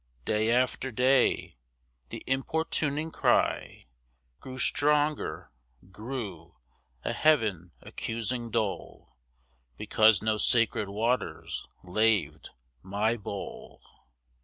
Day after day the importuning cry Grew stronger—grew, a heaven accusing dole Because no sacred waters laved my bowl.